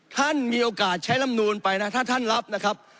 ท่านมีโอกาสใช้ลำนูนไปนะถ้าท่านรับนะครับ